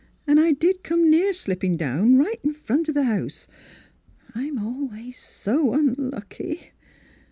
An' I did come near slip pin' down right in front o' th' house. I'm always so unlucky."